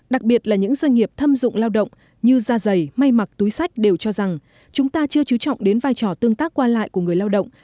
đặc biệt là những doanh nghiệp thâm dụng lao động như da dày may mặc túi sách đều cho rằng chúng ta chưa chú trọng đến vai trò tương tác qua lại của người lao động